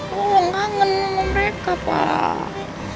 tolong kangen sama mereka pak